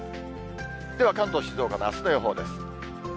では関東、静岡のあすの予報です。